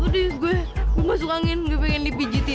aduh gue gak suka angin gue pengen dipijitin